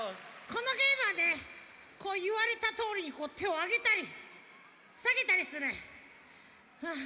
このゲームはねこういわれたとおりにてをあげたりさげたりするはあ。